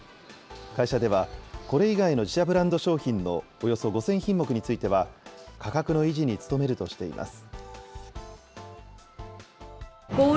会社では、これ以外の自社ブランド商品のおよそ５０００品目については、価格の維持に努めるとしています。